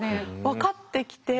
分かってきて。